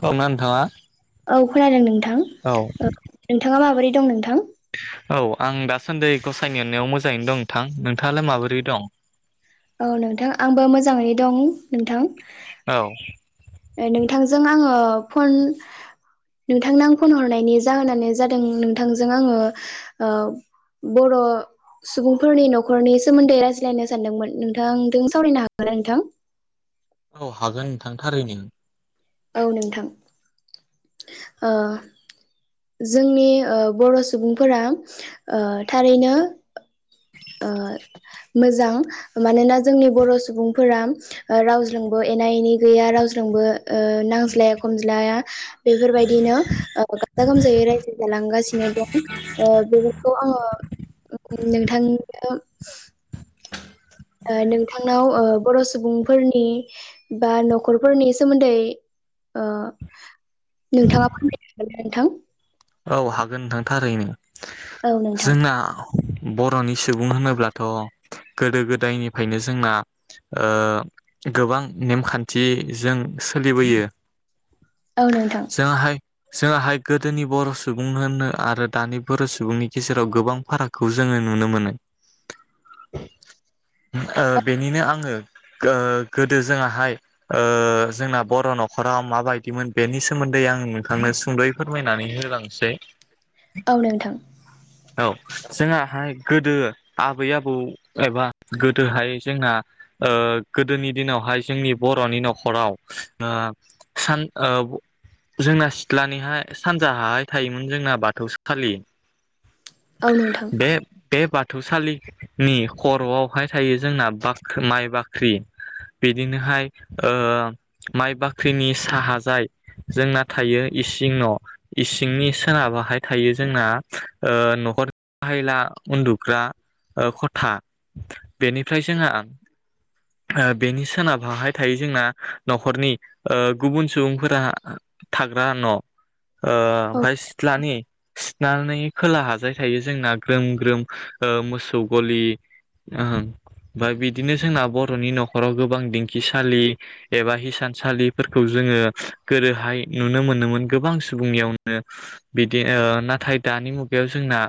खोनादोंना नोंथाङा? [inaudible] औ खोनादों नोंथां ओ नोंथाङा माबोरै दं नोंथां औ आं दासान्दि गसायनि अननायाव मोजाङैनो दं नोंथां नोंथाङालाय माबोरै दं? औ नोंथां आंबो मोजाङै दं नोंथां। औ नोंथांजों आङो फन नोंथांनो आं फन हरनायनि जाहोनानो जादों नोंथांजों आङो ओ बर' सुबुंफोरनि न'खरनि सोमोन्दै रायज्लायनो सानदोंमोन नोंथांजों सावरायनो हागोन ना नोंथां? औ हागोन नोंथां थारैनो। औ नोंथां ओ जोंनि ओ बर' सुबुंफोरा ओ थारैनो ओ मोजां मानोना जोंनि बर' सुबुंफोरा ओ रावज्रोंबो एना एनि गैया रावज्रोंबो ओ नांज्लाया खमज्लाया बेफोरबायदिनो ओ गाजा गोमजायै रायजो जालांगासिनो दं ओ बेफोरखौ आङो नोंथां [unintelligible] ओ नोंथांनाव ओ बर' सुबुंफोरनि बा न'खरफोरनि सोमोन्दै ओ नोंथाङा फोरमायनो हागोन ना नोंथां? औ हागोन नोंथां थारैनो। ना नोंथां जोंना बर'नि सुबुं होनोब्लाथ' गोदो गोदायनिफ्रायनो जोंना ओ गोबां नेमखान्थिजों सोलिबोयो। औ नोंथां। जों आहाय गोदोनि बर' सुबुं होननो आरो दानि बर' सुबुंनि गेजेराव गोबां फारागखौ जोङो नुनो मोनो ओ बेनिनो आङो ओ गोदो जोंआहाय जोंना बर' न'खराव माबायदिमोन बेनि सोमोन्दै आं नोंथांनो सुंद'यै फोरमायनानै होलां से औ नोंथां औ जोंआहाय गोदो आबै आबौ एबा गोदोहाय जोंना ओ गोदोनि दिनावहाय जोंनि बर'नि न'खराव ओ सान ओ जोंना सिथ्लानिहाय सानजाहाय थायोमोन जोंना बाथौसालि औ नोंथां औ नोंथां बे बे बा बाथौसालिनि खर'आवहाय थायो जोंना बा माइ बाख्रि बिदिनोहाय ओ माइ बाख्रिनि साहाजाय जोंना थायो इसिं न' इस सिंनि सोनाबाहाय थायो जोंना ओ न'खर हायला उन्दुग्रा ओ खथा बेनिफ्राय जोंहा ओ बेनि सोनाबाहाय थायो जोंना न'खरनि ओ गुबुन सुबुंफोरा थाग्रा न' ओ औ सिथलानि नानै खोला हाजाय थायो जोंना ग्रोम ग्रोम ओ मोसौ गलि ओ बा बिदिनो जोंना बर'नि न'खराव गोबां दिंखिसालि एबा हिसानसालिफोर खौ जोङो गोरोहाय नुनो मोनोमोन गोबां सुबुंनियाव ओ बिदि ओ नाथाय दानि मुगायाव जोंना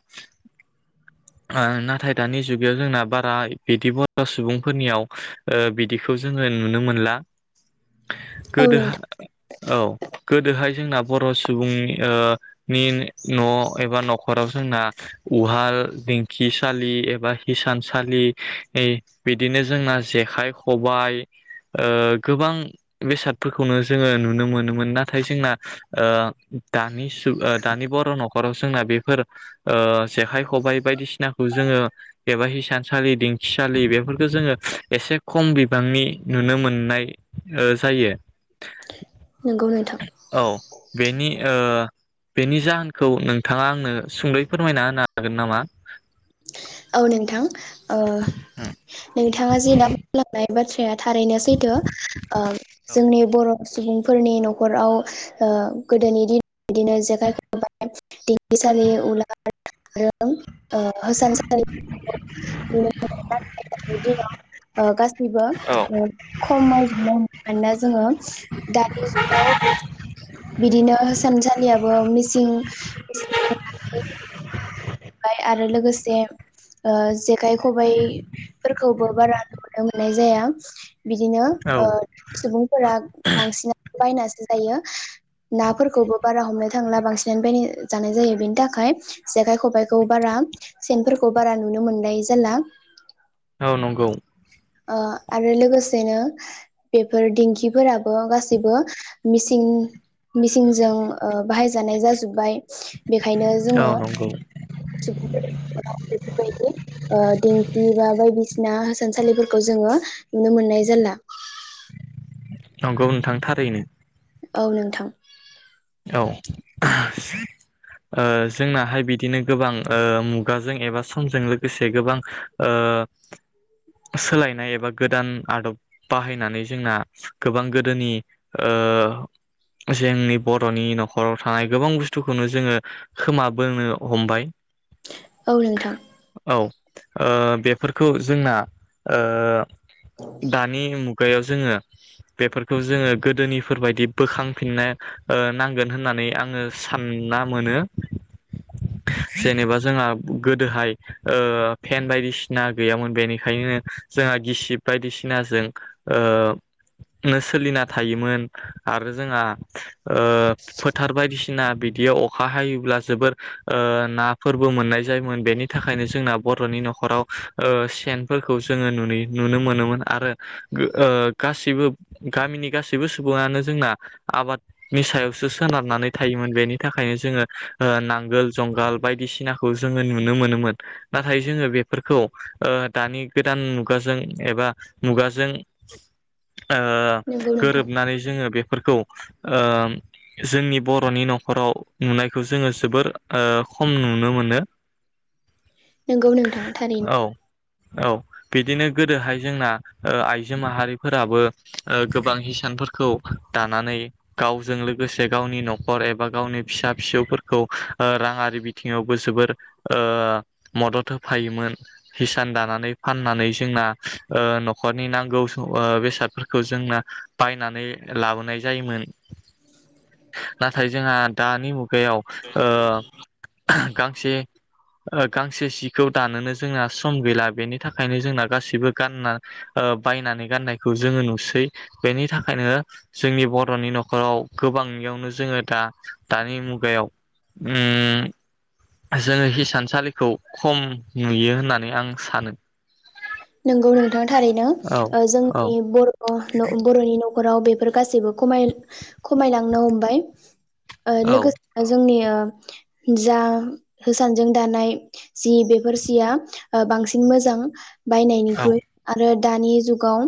ओ नाथाय दानि जुगायाव जोंना बारा बिदि बर' सुबुंफोरनियाव ओ बिदिखौ जोङो नुनो मोनला। औ गोदो नोंथां औ गोदोहाय जोंना बर' सुबुंनि ओ नि न' एबा न'खराव जोंना उहाल दिंखिसालि एबा हिसानसालि बिदिनो जोंना जेखाइ खबाइओ गोबां बेसादफोरखौनो जोङो नुनो मोनोमोन नाथाय जोंना ओ दानि सु ओ दानि बर' न'खराव जोंना बेफोर ओ जेखाइ खबाइ बायदिसिनाखौ जोङो एबा हिसानसालि दिंखिसालि बेफोरखौ जोङो एसे खम बिबांनि नुनो मोननाय ओ जायो। नंगौ नोंथां औ बेनि ओ बेनि जाहोनखौ नोंथाङा आंनो सुंदै फोरमायना होनो हागोन नामा? औ नोंथां ओ नोंथाङा जे दा बुंलांनाय बाथ्राया थारैनो सैथो ओ जोंनि बर' सुबुंफोरनि न'खराव ओ गोदोनि दिन बिदिनो जेखाय खबाय दिखसालि उलार आरो ओ [unintelligible] गासैबो औ खमय [unintelligible] मानोना जोङो दानि जुगाव बिदिनो इसानसालियाबो मिसिन मिसिनजों ओमफ्राय आरो लोगोसे ओ जेखाइ खबाइफोरखौबो बारा नुनो मोननाय जाया। बिदिनो औ ओ सुबुंफोरा बांसिना बायनासो जायो नाफोरखौबो बारा हमनो थांला बांसिनानो बायना जानाय जायो बेनि थाखाय जेखाइ खबाइ खौ बारा सेनफोरखौ बारा नुनो मोननाय जाला औ नंगौ ओ आरो लोगोसेनो बेफोर दिंखिफोराबो गासैबो मिसिन मिसिनजों बाहायजानाय जाजोब्बाय। बेखायनो औ जोङो नंगौ सुबुं बेफोरबायदि दिेंखि बा बायदिसिना [unintelligible] सानसालि खौ जोङो नुनो मोननाय जाला। नंगौ नोंथां थारैनो। औ नोंथां। औ ओ जोंनाहाय बिदिनो गोबां ओ मुगाजों एबा समजों लोगोसे गोबां ओ सोलायनाय एबा गोदान आदब बाहायनानै जोंना गोबां गोदोनि ओ जेंनि बर'नि न'खराव थानाय गोबां बुस्थुखौनो जोङो खोमाबोनो हमबाय। औ नोंथां। औ ओ बेफोरखौ जोंना ओ दानि मु गायाव जोङो बेफोरखौ जोङो गोदोनिफोरबायदि बोखांफिननाय ओ नांगोन होननानै आङो सानना मोनो जेनेबा जोंहा गोदोहाय ओ फेन बायदिसिना गैयामोन बेनिखायनो जोंहा गिसिब बायदिसिनाजों ओ सोलिना थायोमोन आरो जोंहा ओ फोथार बायदिसिना बिदियाव अखा हायोब्ला जोबोर ओ नाफोरबो मोननाय जायोमोन बेनि थाखायनो जोंना बर'नि न'खराव ओ सेनफोरखौ जोङो नुना नुनो मोनोमोन आरो ओ गासैबो गामिनि गासैबो सुबुङानो जोंना आबाद नि सायाव सो सोनारनानै थायोमोन बेनि थाखायनो जोङो ओ नांगोल जुंगाल बायदिसिनाखौ जोङो नुनो मोनोमोन नाथाय जोङो बे फोरखौ ओ दानि गोदान मु गाजों एबा मुगाजों ओ नंगौ नोंथां गोरोबनानै जोङो बेफोरखौ ओ जोंनि बर'नि न'खराव नुनायखौ जोङो जोबोर ओ खम नुनो मोनो। नोंगौ नोंथां थारैनो। औ औ बिदिनो गोदोहाय जोंना ओ आइजो माहारिफोराबो ओ गोबां हिसानफोरखौ दानानै गावजों लोगोसे गावनि न'खर एबा गावनि फिसा फिसौफोरखौ ओ राङारि बिथिङावबो जोबोर ओ मदद होफायोमोन हिसान दानानै फाननानै जोंना ओ न'खरनि नांगौ ओ बेसादफोरखौ जोंना बायनानै लाबोनाय जायोमोन। नाथाय जोंहा दानि मुगायाव ओ गांसे ओ गांसे सि खौ दानोनो जोंना सम गैला। बेनि थाखायनो जोंना गासिबो गानना ओ बायनानै गाननाय खौ जोङो नुसै बेनि थाखायनो जोंनि बर' न'नि न'। न'खराव गोबांनियावनो जोङो दा दानि मुगायाव उम जोङो हिसानसालिखौ खम नुयो होननानै आं सानो। नंगौ नोंथां थारैनो औ ओ औ जोंनि बर' अ' न' बर'नि न' न'खराव बेफोर गासैबो खमाय खमायलांनो हमबाय ओ औ लोगोसेनो जोंनि ओ जा हिसानजों दानाय सि बेफोर सिया ओ बांसिन मोजां। औ बायनायनिख्रुइ आरो दानि जुगाव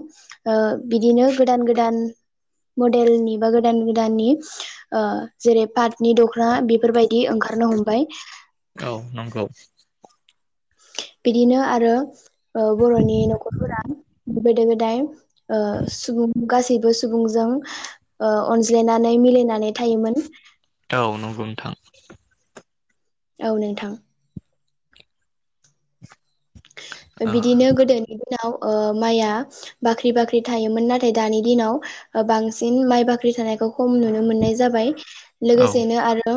ओ बिदिनो गोदान गोदान मडेलनि बा गोदान गोदाननि ओ जेरै पाटनि दख'ना बेफोरबायदि ओंखारनो हमबाय। औ नंगौ। बिदिनो आरो ओ बर'नि न'खरफोरा गोदो गोदाय ओ सुबुं गासैबो सुबुंजों ओ अनज्लायनानै मिलायनानै थायोमोन। औ नंगौ नोंथां। औ नोंथां। औ बिदिनो गोदोनि दिनाव ओ माइआ बाख्रि बाख्रि थायोमोन नाथाय दानि दिनाव बांसिन माइ बाख्रि थानायखौ खम नुनो मोननाय जाबाय। औ लोगोसेनो आरो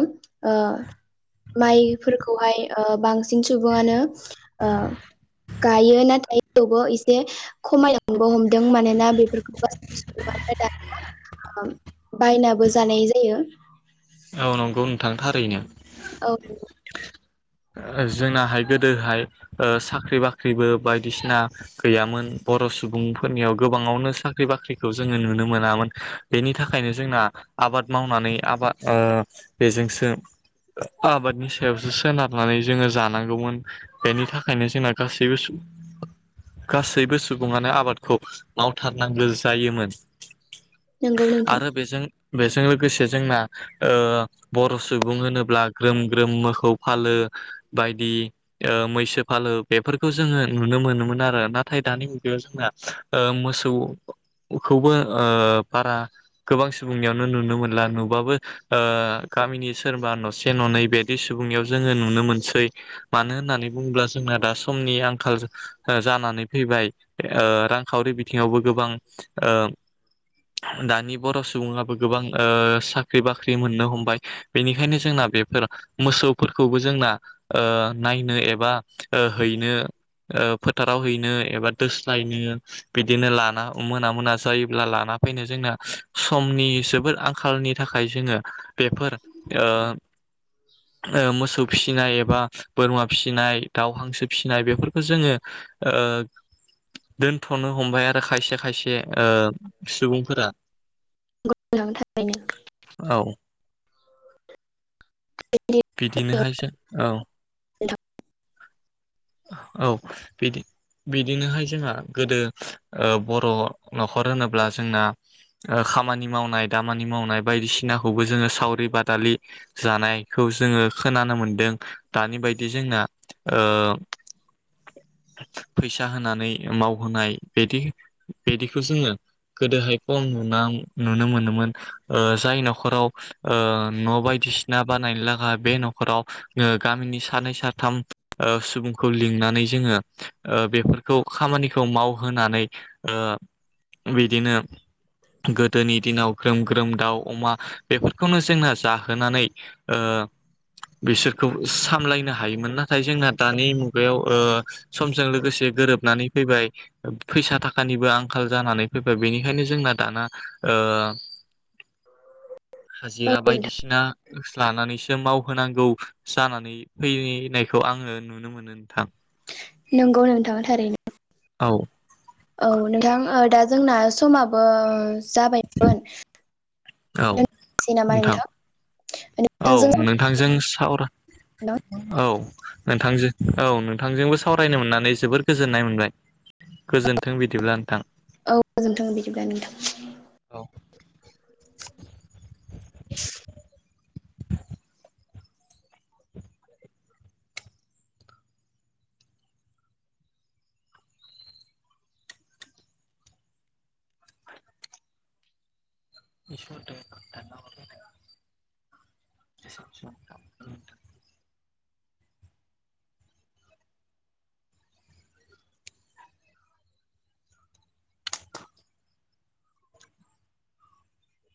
ओ माइफोरखौहाय ओ बांसिन सुबुङानो ओ गायो नाथाय थेवबो एसे खमायलां नोबो हमदों मानोना बेफोरखौ गासैबो सुबङानो दाना बायनाबो जानाय जायो। औ नंगौ नोंथां थारैनो। औ जोंनाहाय गोदोहाय साख्रि बाख्रिबो बायदिसिना गैयामोन। बर' सुबुंफोरनियाव गोबाङावनो साख्रि बाख्रिखौ जोङो नुनो मोनामोन बेनि थाखायनो जोंना आबाद मावनानै आबाद ओ बेजोंसो आबादनि सायावसो सोनारनानै जोङो जानांगौमोन बेनि थाखायनो जोंना गासैबो गासैबो सुबुङानो आबादखौ मावथारनांगौ जायोमोन। नंगौ नोंथां आरो बेजों बेजों लोगोसे जोंना ओ बर' सुबुं होनोब्ला ग्रोम ग्रोम मोखौ फालो बायदि ओ मैसो फालो बेफोरखौ जोङो नुनो मोनोमोन आरो नाथाय दानि मुगायाव जोंना ओ मोसौखौबो ओ बारा गोबां सुबुंनियावनो नुनो मोनला नुबाबो ओ गामिनि सोरबा न'से ननै बेदि सुबुंनियाव जोङो नुनो मोनसै मानो होननानै बुङोब्ला जोंना दा समनि आंखाल जानानै फैबाय ओ रांखावरि बिथिं ङायावबो गोबां ओ दानि बर' सुबुङाबो गोबां ओ सा ख्रि बाख्रि मोननो हमबाय बेनिखायनो जोंना बेफोर मोसौफोरखौबो जोंना ओ नायनो एबा ओ हैनो ओ फोथाराव हैनो एबा दोस्लायनो बिदिनो लाना मोना मोना जायोब्ला लाना फैनो जोंना समनि जोबोद आंखालनि थाखाय जोङो बेफोर ओ ओ मोसौ फिसिनाय एबा बोरमा फिसिनाय दाउ हांसो फिसिनाय बेफोरखौ जोङो ओ दोनथ'नो हमबाय आरो खायसे खायसे ओ सुबुंफोरा नोंथां थारैनो औ बिदिनोहाय जो औ नोंथां औ बिदि बिदिनोहाय जोंहा गोदो ओ बर' न'खर होनोब्ला जोंना ओ खामानि मावनाय दामानि मावनाय बायदिसिनाखौबो जोङो सावरि बादालि जानायखौ जोङो खोनानो मोनदों दानि बायदि जोंना ओ फैसा होनानै मावहोनाय बिदि बिदिखौ जोङो गोदोहाय खम नुनाव नुनो मोनोमोन ओ जाय न'खराव ओ न' बायदिसिना ना बानायनो लागा बे न'खराव गामिनि सानै साथाम ओ सुबुं खौ लिंनानै जोङो ओ बेफोरखौ खामानिखौ मावहोनानै ओ बिदिनो गोदोनि दिनाव ग्रोम ग्रोम दाउ अमा बेफोरखौनो जोंना जाहोनानै ओ बिसोरखौ सामलायनो हायोमोन नाथाय जोंना दानि मुगायाव ओ समजों लोगोसे गोरोबनानै फैबाय फैसा थाखानिबो आंखाल जानानै फैबाय बेनिखायनो जोंना दाना ओ औ हाजिरा नोंथां बायदिसिना लानानैसो मावहोनांगौ जानानै फैनायखौ आङो नुनो मोनो। थां नंगौ नोंथां थारैनो। औ औ नोंथां दा जोंना समाबो जाबायमोन औ दोननोसै नामा नोंथां औ नोंजों नोंथांजों सावरा औ। नोंथांजों औ नोंथांजोंबो सावरायनो मोननानै जोबोर गोजोननाय मोनबाय गोजोनथों बिदिब्ला नोंथां। औ गोजोनथों बिदिब्ला नोंथां। औ [inaudible] [inaudible] इसोर [unintelligible] [unintelligible]